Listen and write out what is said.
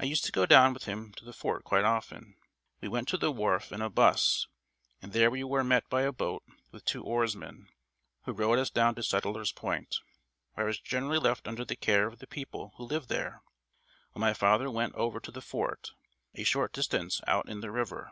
I used to go down with him to the Fort quite often. We went to the wharf in a "bus," and there we were met by a boat with two oarsmen, who rowed us down to Sellers Point, where I was generally left under the care of the people who lived there, while my father went over to the Fort, a short distance out in the river.